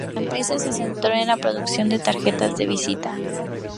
La empresa se centró en la producción de tarjetas de visita.